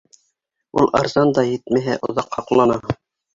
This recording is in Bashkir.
Ул арзан да, етмәһә, оҙаҡ һаҡлана.